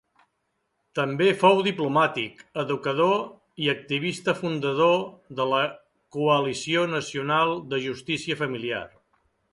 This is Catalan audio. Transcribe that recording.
També fou diplomàtic, educador i activista fundador de la Coalició Nacional de Justícia Familiar.